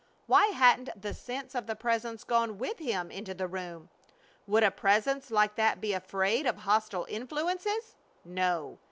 Why hadn't the sense of the Presence gone with him into the room? Would a Presence like that be afraid of hostile influences? No.